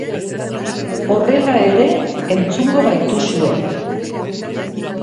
Horrela ere entzungo gaituzue.